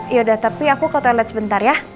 yaudah tapi aku ke toilet sebentar ya